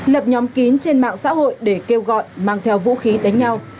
lập nhóm kín trên mạng xã hội để kêu gọi mang theo vũ khí đánh nhau